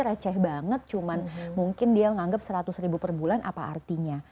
receh banget cuman mungkin dia menganggap seratus ribu per bulan apa artinya